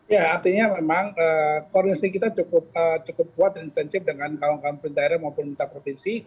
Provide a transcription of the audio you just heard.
ya artinya memang koordinasi kita cukup kuat dan intensif dengan kawan kawan pemerintah daerah maupun pemerintah provinsi